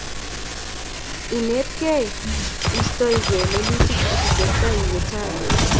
Inetkei iistoegei lelutik ak itestai iwe tai